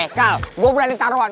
eh kal gue berani taruhan